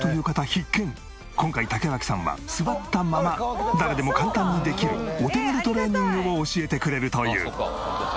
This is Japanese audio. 今回竹脇さんは座ったまま誰でも簡単にできるお手軽トレーニングを教えてくれるという。